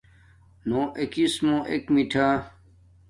نݸ اݵکِسمݸ اݵک مِٹھݳ.